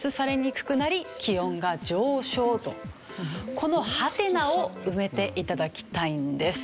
このハテナを埋めて頂きたいんです。